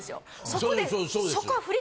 そうです。